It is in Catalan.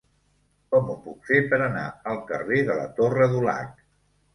Com ho puc fer per anar al carrer de la Torre Dulac?